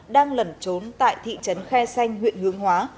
đang lẩn trốn tại thị trấn khe xanh huyện hướng hóa